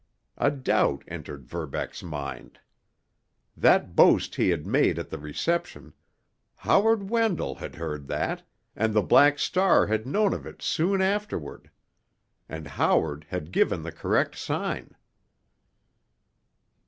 A doubt entered Verbeck's mind. That boast he had made at the reception—Howard Wendell had heard that, and the Black Star had known of it soon afterward. And Howard had given the correct sign.